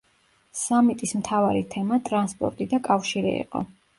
სამიტის მთავარი თემა „ტრანსპორტი და კავშირი“ იყო.